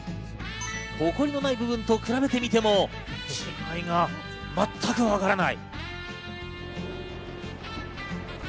ホコリのない部分と比べてみても違いが全くわからない。